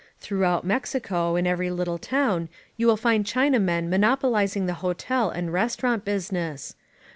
Throughout Mexico, in every little town, you will find Chinamen monopolizing the hotel and restaurant busi ness.